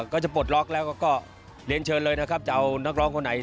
ก็จะปลดล็อกแล้วก็เรียนเชิญเลยนะครับจะเอานักร้องคนไหน